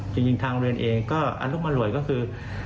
จริงทางโรงเรียนเองก็อรุมอร่วยก็คือ